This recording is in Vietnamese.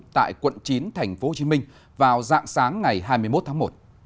tại quận chín tp hcm vào dạng sáng ngày hai mươi một tháng một